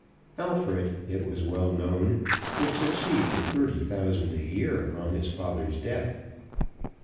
Alfred, it was well known, would succeed to thirty thousand a year on his father's death.